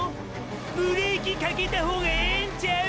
⁉ブレーキかけた方がエエんちゃう？